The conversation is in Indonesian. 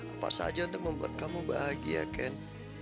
apa saja untuk membuat kamu bahagia kan